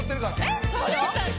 「えっ！？